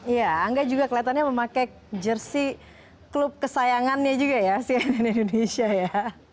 iya angga juga kelihatannya memakai jersi klub kesayangannya juga ya cnn indonesia ya